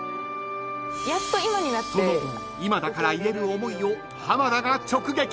［その今だから言える思いを浜田が直撃］